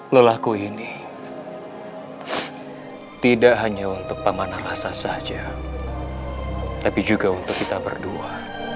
lelaku ini tidak hanya untuk pamanah rasa saja tapi juga untuk kita berdua